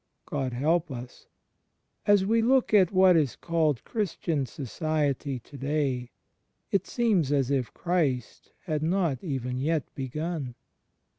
... God help us! As we look at what is called Christian Society to day, it seems as if Christ had not even yet begun.